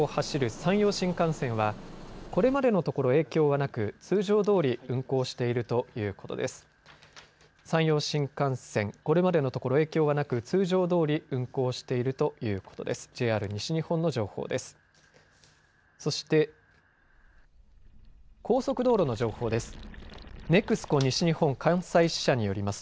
山陽新幹線は、これまでのところ影響はなく通常どおり運行しているということです。